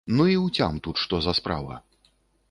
Ну й уцям тут, што за справа.